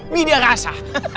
bi dia rasa